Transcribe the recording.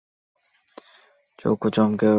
কুমু চমকে উঠে শ্যামার মুখের দিকে উৎসুক দৃষ্টিতে চাইলে।